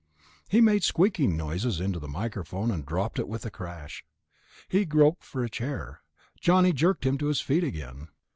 He made squeaky noises into the microphone and dropped it with a crash. He groped for a chair; Johnny jerked him to his feet again.